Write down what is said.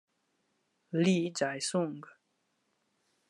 Lee Jae-sung